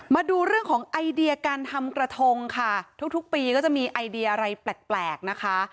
มาดูเรื่องของไอเดียการทำกระทงค่ะทุกปีก็จะมีไอเดียอะไรแปลกนะคะ